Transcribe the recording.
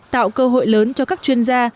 tạo cơ hội lớn cho các chuyên gia